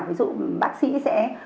ví dụ bác sĩ sẽ